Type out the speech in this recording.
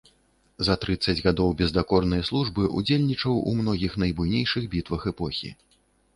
За трыццаць гадоў бездакорнай службы ўдзельнічаў у многіх найбуйнейшых бітвах эпохі.